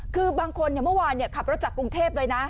คือบางคนเมื่อวานขับรถจากกรุงเทพเลยนะ